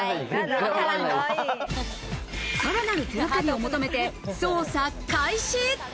さらなる手がかりを求めて捜査開始。